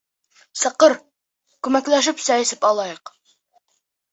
Саҡыр, күмәкләшеп сәй эсеп алайыҡ.